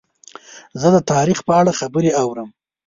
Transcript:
زه د تاریخ په اړه خبرې اورم.